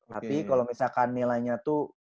tapi kalau misalkan nilainya tuh